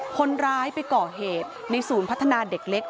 คนร้ายไปก่อเหตุในศูนย์พัฒนาเด็กเล็ก